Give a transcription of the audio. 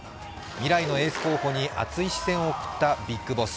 未来のエース候補に熱い視線を送ったビッグボス。